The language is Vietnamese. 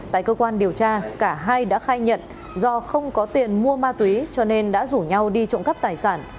tại cơ quan điều tra cả hai đã khai nhận do không có tiền mua ma túy cho nên đã rủ nhau đi trộm cắp tài sản